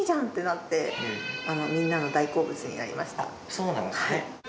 そうなんですね。